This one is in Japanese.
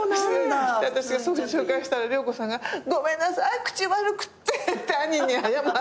私がそういうふうに紹介したら良子さんが「ごめんなさい口悪くって」って兄に謝って。